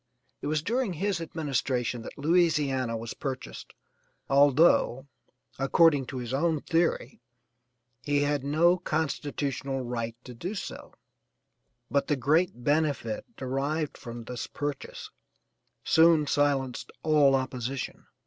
It was during his administration that Louisiana was purchased, although, according to his own theory, he had no constitutional right to do so, but the great benefit derived from this purchase soon silenced all opposition.